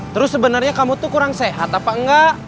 terus sebenarnya kamu tuh kurang sehat apa enggak